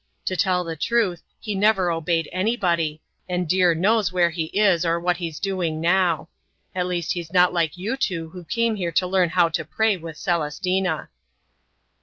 To tell the truth he never obeyed anybody, and dear knows where he is or what he's doing now. At least he's not like you two who came here to learn how to pray with Celestina."